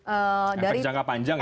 efek jangka panjang ya